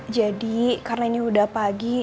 jadi karena ini udah pagi